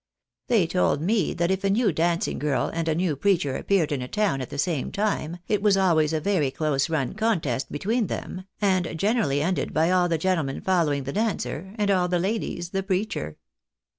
They told me that if a new dancing girl and a new preacher appeared in a town at the same time, it was always a very close run contest between them, and generally ended by all the gentlemen following the dancer, and all the ladies the preacher.